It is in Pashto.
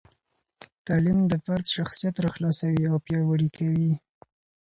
تعلیم د فرد شخصیت راخلاصوي او پیاوړي کوي.